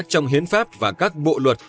trong hiến pháp và các bộ luật